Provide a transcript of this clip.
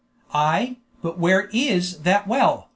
"Ay; but where is that well?"